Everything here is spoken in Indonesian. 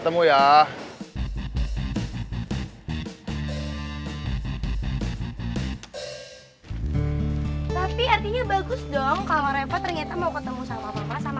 tapi artinya bagus dong kalau repot ternyata mau ketemu sama sama sama